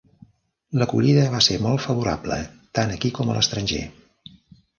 L'acollida va ser molt favorable tant aquí com a l'estranger.